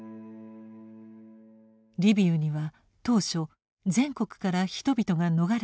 リビウには当初全国から人々が逃れてきました。